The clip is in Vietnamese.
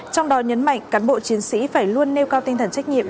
trong đó nhấn mạnh cán bộ chiến sĩ phải luôn nêu cao tinh thần trách nhiệm